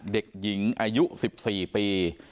เด็กหญิงอายุ๑๔ปี